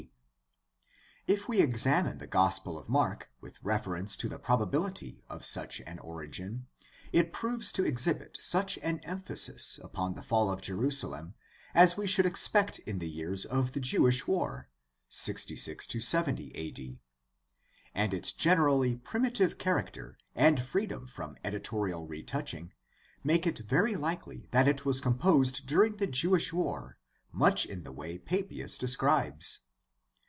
d. If we examine the Gospel of Mark with reference to the probabihty of such an origin, it proves to exhibit such an emphasis upon the fall of Jerusalem as we should expect in the years of the Jewish War, 66 70 a.d., and its generally primitive character and freedom from edi torial retouching make it very likely that it was composed during the Jewish War much in the way Papias describes.